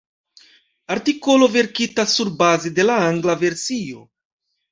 Artikolo verkita surbaze de la angla versio.